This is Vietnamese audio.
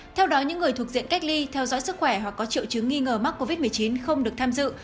theo đó những người thuộc diện cách ly theo dõi sức khỏe hoặc có triệu chứng nghi ngờ mắc covid một mươi chín không được tham dự